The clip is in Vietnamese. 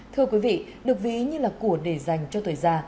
thưa quý vị được vĩ như là của để dành cho tuổi già